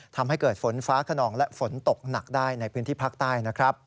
ทำให้เกิดฝนฟ้าขนองและฝนตกหนักได้ในพื้นที่ภาคใต้นะครับ